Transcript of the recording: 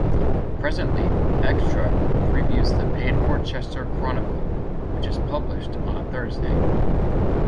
Presently "Xtra" previews the paid-for "Chester Chronicle" which is published on a Thursday.